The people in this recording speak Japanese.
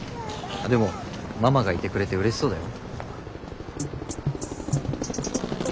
でもママがいてくれてうれしそうだよ。